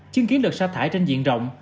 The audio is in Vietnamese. chứng kiến được xa thải trên diện rộng